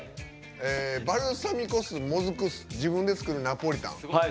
バルサミコ酢、もずく酢自分で作るナポリタン。